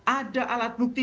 ada alat bukti